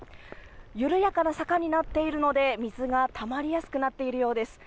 緩やかな坂になっているので水が溜まりやすくなっているようです。